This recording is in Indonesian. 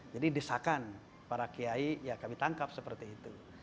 jadi disahkan para kiai ya kami tangkap seperti itu